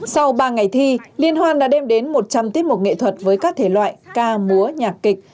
sau ba ngày thi liên hoan đã đem đến một trăm linh tiết mục nghệ thuật với các thể loại ca múa nhạc kịch